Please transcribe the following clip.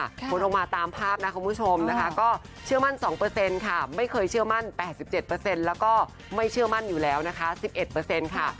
คนออกมาตามภาพนะคุณผู้ชมนะคะก็เชื่อมั่น๒เปอร์เซ็นต์ค่ะไม่เคยเชื่อมั่น๘๗เปอร์เซ็นต์แล้วก็ไม่เชื่อมั่นอยู่แล้วนะคะ๑๑เปอร์เซ็นต์ค่ะ